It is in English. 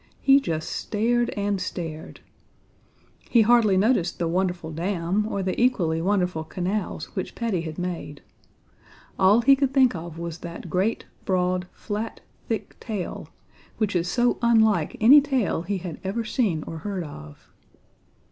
He just stared and stared. He hardly noticed the wonderful dam or the equally wonderful canals which Paddy had made. All he could think of was that great, broad, flat, thick tail, which is so unlike any tail he had ever seen or heard of.